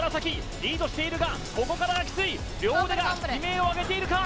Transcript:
楢リードしているがここからがキツい両腕が悲鳴を上げているか？